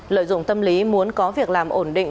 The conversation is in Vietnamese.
lợi dụng tâm lý muốn có việc làm ổn định